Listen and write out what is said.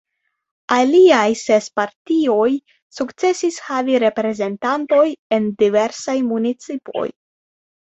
Aliaj ses partioj sukcesis havi reprezentantojn en diversaj municipoj.